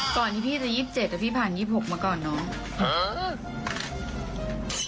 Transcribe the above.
ก่อนที่พี่จะ๒๗แต่พี่ผ่าน๒๖มาก่อนเนาะ